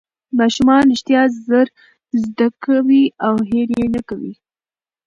ماشومان رښتیا ژر زده کوي او هېر یې نه کوي